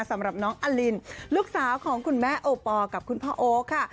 สำหรับน้องอลินลูกสาวของคุณแม่โอปอลกับคุณพ่อโอ๊คค่ะ